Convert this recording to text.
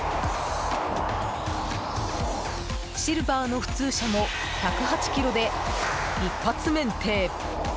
シルバーの普通車も１０８キロで一発免停！